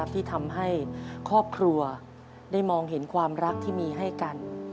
ที่ทำให้ครอบครัวได้มองเห็นความรักที่มีให้กัน